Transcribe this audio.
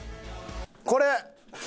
これ！